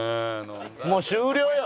もう終了よ！